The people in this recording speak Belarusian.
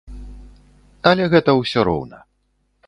Але гэта ўсё роўна.